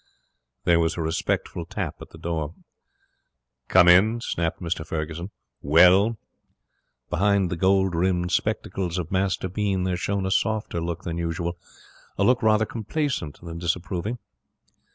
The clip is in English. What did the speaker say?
There was a respectful tap at the door. 'Come in?' snapped Mr Ferguson. 'Well?' Behind the gold rimmed spectacles of Master Bean there shone a softer look than usual, a look rather complacent than disapproving.